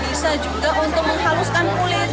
bisa juga untuk menghaluskan kulit